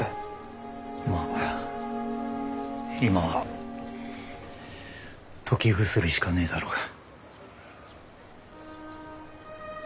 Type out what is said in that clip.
まあ今は時薬しかねえだろうが。